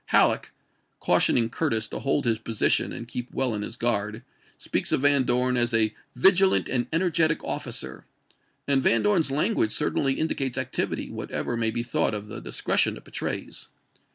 Halleck, cautioning Curtis to hold his position and keep well on his guard, speaks of Van Dorn as a " vigilant and energetic officer "; and Van Dorn's language certainly in dicates activity, whatever may be thought of the discretion it betrays.